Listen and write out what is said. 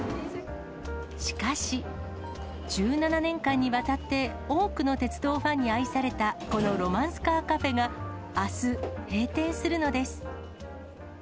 しかし、１７年間にわたって多くの鉄道ファンに愛されたこのロマンスカーカフェがあす、閉店するのです。